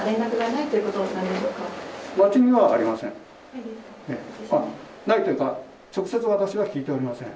ないというか、直接私は聞いておりません。